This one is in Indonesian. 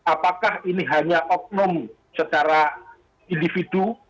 apakah ini hanya oknum secara individu